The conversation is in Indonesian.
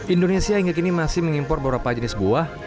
indonesia hingga kini masih mengimpor beberapa jenis buah